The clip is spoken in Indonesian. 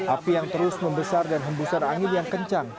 api yang terus membesar dan hembusan angin yang kencang